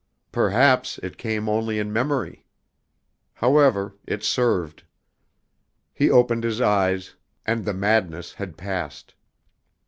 Perhaps it came only in memory. However, it served. He opened his eyes, and the madness had passed.